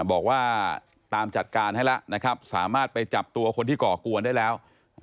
บอกว่าตามจัดการให้แล้วนะครับสามารถไปจับตัวคนที่ก่อกวนได้แล้ว